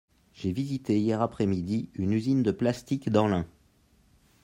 J’ai visité hier après-midi une usine de plastique dans l’Ain.